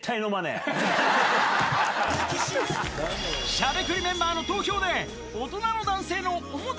しゃべくりメンバーの投票でそして